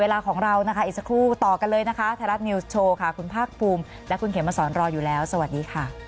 โปรดติดตามตอนต่อไป